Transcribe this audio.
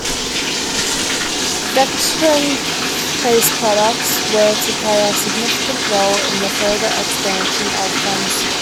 Dextran-based products were to play a significant role in the further expansion of Pharmacia.